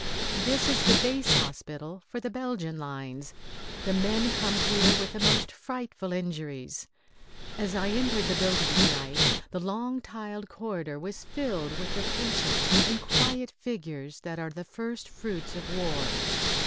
This is the base hospital for the Belgian lines. The men come here with the most frightful injuries. As I entered the building to night the long tiled corridor was filled with the patient and quiet figures that are the first fruits of war.